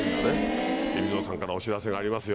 海老蔵さんからお知らせがありますよ。